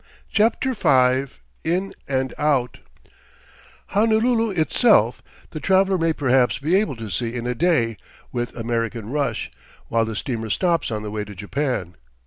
CHAPTER V IN AND OUT Honolulu itself the traveler may perhaps be able to see in a day, with American rush, while the steamer stops on the way to Japan.